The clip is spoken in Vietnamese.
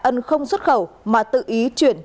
ân không xuất khẩu mà tự ý chuyển